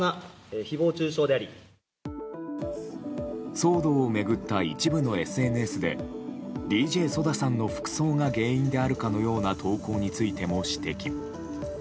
騒動を巡った一部のＳＮＳでＤＪＳＯＤＡさんの服装が原因であるかのような投稿についても指摘。